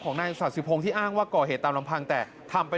นายศาสิพงศ์ที่อ้างว่าก่อเหตุตามลำพังแต่ทำไป